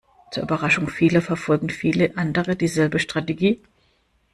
Zur Überraschung vieler verfolgen viele andere dieselbe Strategie.